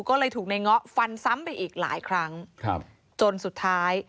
ก็เลยถูกในเงาะฟันซ้ำไปอีกหลายครั้งครับจนสุดท้าย